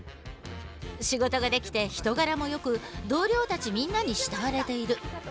仕事ができて人柄もよく同僚たちみんなに慕われている。